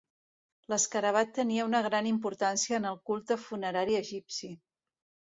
L'escarabat tenia una gran importància en el culte funerari egipci.